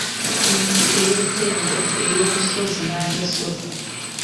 Ensi ey’ettendo ey’obusozi n’agasozi.